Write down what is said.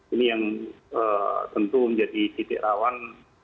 ini yang tentu menjadi titik rawan